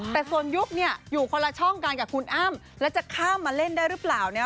แต่ส่วนยุคเนี่ยอยู่คนละช่องกันกับคุณอ้ำแล้วจะข้ามมาเล่นได้หรือเปล่าเนี่ย